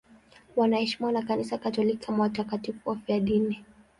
Wanaheshimiwa na Kanisa Katoliki kama watakatifu wafiadini.